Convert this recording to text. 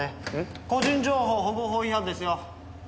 個人情報保護法違反ですよ。